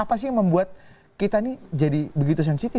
apa sih membuat kita nih jadi berhubungan dengan mas agus